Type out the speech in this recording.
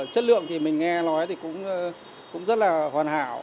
chất lượng thì mình nghe nói thì cũng rất là hoàn hảo